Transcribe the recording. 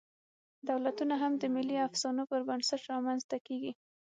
دولتونه هم د ملي افسانو پر بنسټ رامنځ ته کېږي.